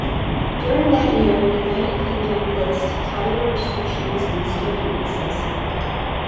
During that year, the United Kingdom placed tighter restrictions on student visas.